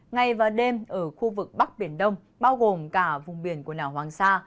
ngày và đêm ở khu vực bắc biển đông bao gồm cả vùng biển của lào hoàng sa